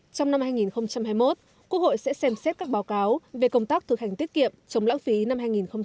trong năm hai nghìn hai mươi một quốc hội sẽ xem xét các báo cáo về công tác thực hành tiết kiệm chống lãng phí năm hai nghìn hai mươi